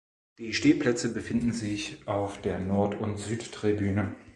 Die Stehplätze befinden sich auf der Nord- und Südtribüne.